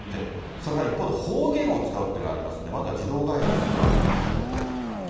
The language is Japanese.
それから一方で方言を使うっていうのがありますので、まずは自動ガイダンスご覧ください。